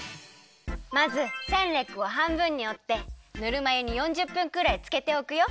まずセンレックをはんぶんにおってぬるま湯に４０分くらいつけておくよ。